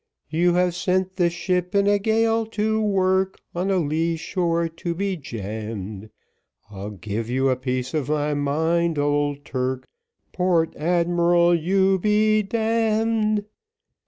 You have sent the ship in a gale to work, On a lee shore to be jammed, I'll give you a piece of my mind, old Turk, Port Admiral, you be d d.